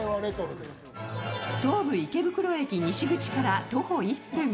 東武池袋駅西口から徒歩１分